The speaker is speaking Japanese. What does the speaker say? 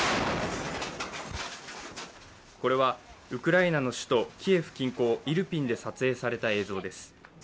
これはウクライナの首都キエフ近郊イルピンで撮影された映像です。